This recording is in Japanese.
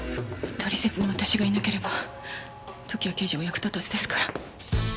トリセツの私がいなければ時矢刑事は役立たずですから。